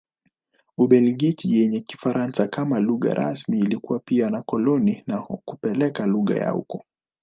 Ubelgiji yenye Kifaransa kama lugha rasmi ilikuwa pia na koloni na kupeleka lugha huko.